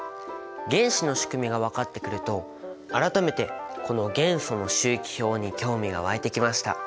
原子の仕組みが分かってくると改めてこの元素の周期表に興味が湧いてきました。